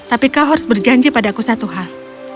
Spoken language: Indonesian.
tapi kau harus berjanji padaku satu hal